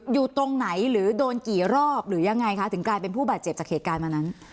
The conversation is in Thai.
อยู่ตรงไหนหรือโดนกี่รอบหรือยังไงคะถึงกลายเป็นผู้บาดเจ็บจากเหตุการณ์วันนั้น